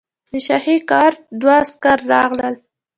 د شاهي ګارډ دوه عسکر راغلل.